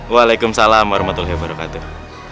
waalaikumsalam warahmatullahi wabarakatuh